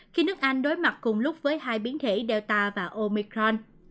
khi nước anh đối mặt cùng lúc với hai biến thể delta và omicron